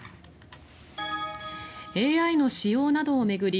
ＡＩの使用などを巡り